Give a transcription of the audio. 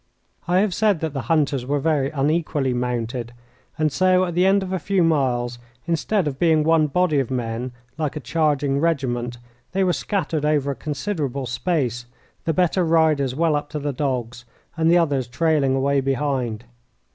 I have said that the hunters were very unequally mounted, and so at the end of a few miles, instead of being one body of men, like a charging regiment, they were scattered over a considerable space, the better riders well up to the dogs and the others trailing away behind.